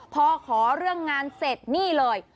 พอขอเรื่องงานเสร็จนี่เลย